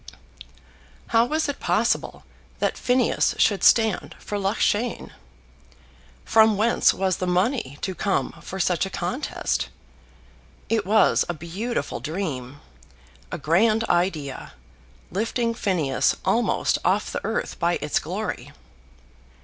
How was it possible that Phineas should stand for Loughshane? From whence was the money to come for such a contest? It was a beautiful dream, a grand idea, lifting Phineas almost off the earth by its glory.